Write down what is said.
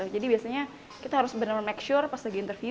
jadi biasanya kita harus benar benar make sure pas lagi interview